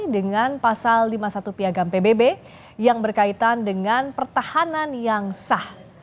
dengan pasal lima puluh satu piagam pbb yang berkaitan dengan pertahanan yang sah